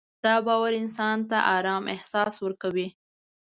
دا باور انسان ته ارام احساس ورکوي.